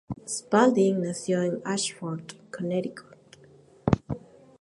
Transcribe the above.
Spalding nació en Ashford, Connecticut.